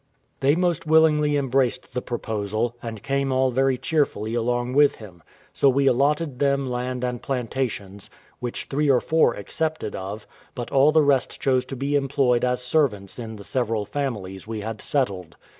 They most willingly embraced the proposal, and came all very cheerfully along with him: so we allotted them land and plantations, which three or four accepted of, but all the rest chose to be employed as servants in the several families we had settled.